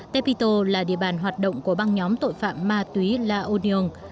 tepito là địa bàn hoạt động của băng nhóm tội phạm ma túy la unión